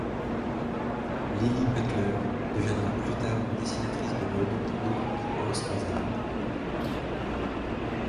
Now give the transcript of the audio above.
Lilly Butler deviendra plus tard une dessinatrice de mode pour Harper's Bazaar.